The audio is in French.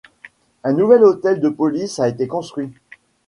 Un nouvel Hôtel de police a été construit.